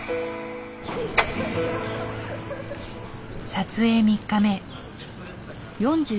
撮影３日目。